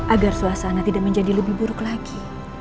agar suasana tidak menjadi lebih buruk lagi